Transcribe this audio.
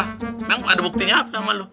memang ada buktinya apa sama lu